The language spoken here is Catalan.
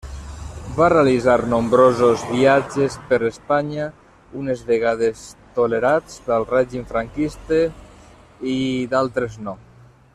Va realitzar nombrosos viatges per Espanya, unes vegades tolerats pel règim franquista i d'altres no.